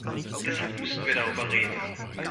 Deshalb müssen wir darüber reden.